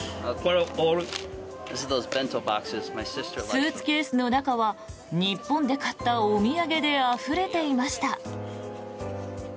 スーツケースの中は日本で買ったお土産であふれていました。